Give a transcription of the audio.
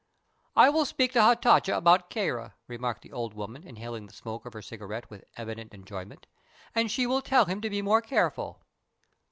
"I will speak to Hatatcha about Kāra," remarked the old woman, inhaling the smoke of her cigarette with evident enjoyment, "and she will tell him to be more careful."